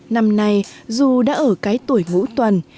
năm nay dù đã ở cái tuổi ngũ tuần